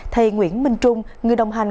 thầy nguyễn minh trung người đồng hành